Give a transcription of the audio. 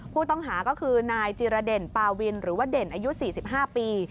ผู้ต้องหาก็คือนายจิรเด่นปาวินหรือว่าเด่นอายุ๔๕ปี